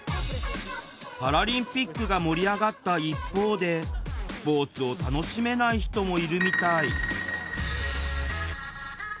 パラリンピックが盛り上がった一方でスポーツを楽しめない人もいるみたい。